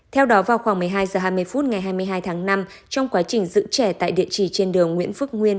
theo đó vào khoảng một mươi hai h hai mươi phút ngày hai mươi hai tháng năm trong quá trình giữ trẻ tại địa chỉ trên đường nguyễn phước nguyên